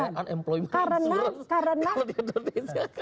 jadi banyak unemployment insurance